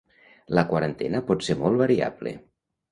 La quarantena pot ser molt variable.